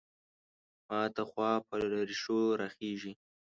ماته خوا به له رېښو راخېژي.